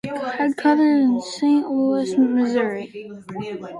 It is headquartered in Saint Louis, Missouri.